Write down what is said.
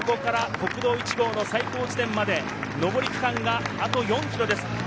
国道１号の最高地点まで上り区間があと４ｋｍです。